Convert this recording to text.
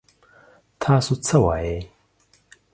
تاسو څه وايي ؟